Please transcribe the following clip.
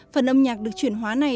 phần âm nhạc được chuyển hóa này